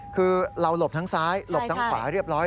คือเราหลบทั้งซ้ายหลบทั้งขวาเรียบร้อย